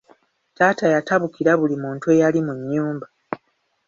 Taata yatabukira buli muntu eyali mu nnyumba.